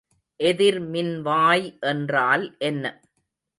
எதிர்மின்வாய் என்றால் என்ன?